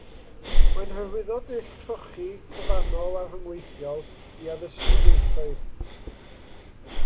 Mae'n hyrwyddo dull trochi, cyfannol a rhyngweithiol i addysgu ieithoedd.